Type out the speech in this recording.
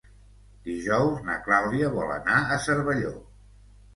Dijous na Clàudia vol anar a Cervelló.